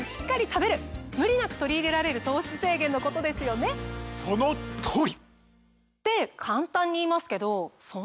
無理なく取り入れられる糖質制限のことですよね？って簡単に言いますけど。あります？